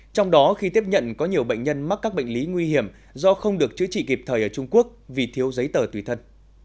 trong đó khi tiếp nhận có nhiều bệnh nhân mắc các bệnh lý nguy hiểm do không được chữa trị kịp thời ở trung quốc vì thiếu giấy tờ tùy thân